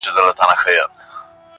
• دلته به کور وي د ظالمانو -